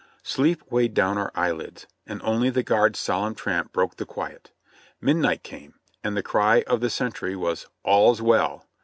Sleep weighed down our eyelids, and only the guard's solemn tramp broke the quiet. Midnight came, and the cry of the sentry was "All's well."